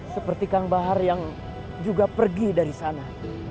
seperti kang bahar yang juga pergi dari sana